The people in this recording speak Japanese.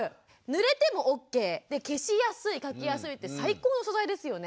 ぬれてもオッケー消しやすい描きやすいって最高の素材ですよね。